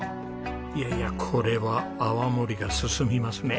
いやいやこれは泡盛が進みますね。